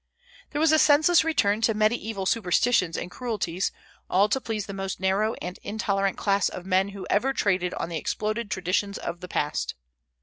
There was a senseless return to mediaeval superstitions and cruelties, all to please the most narrow and intolerant class of men who ever traded on the exploded traditions of the past.